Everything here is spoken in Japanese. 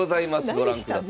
ご覧ください。